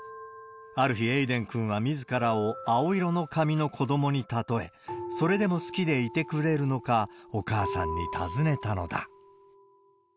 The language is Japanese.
ある日エイデン君はみずからを青色の髪の子どもにたとえ、それでも好きでいてくれるのか、お母さんに尋ねたのだ。